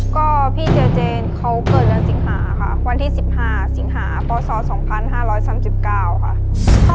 ก็พี่เจเจเขาเกิดแล้วสิงหาค่ะวันที่สิบหาสิงหาปศสองพันห้าร้อยสามสิบเก้าค่ะ